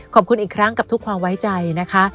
ขอบคุณอีกครั้งกับทุกความไว้ใจนะคะ